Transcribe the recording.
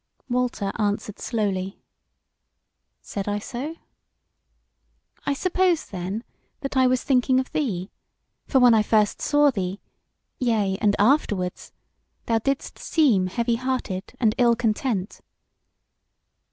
Walter answered slowly: "Said I so? I suppose then that I was thinking of thee; for when first I saw thee, yea, and afterwards, thou didst seem heavy hearted and ill content."